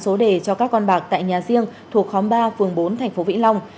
số đề cho các con bạc tại nhà riêng thuộc khóm ba phường bốn thành phố vĩnh long